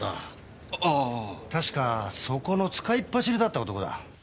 確かそこの使いっ走りだった男だ。